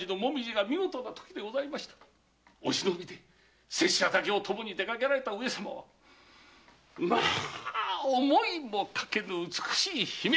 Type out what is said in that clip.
お忍びで拙者だけを供に出かけられた上様は思いもかけぬ美しい姫君！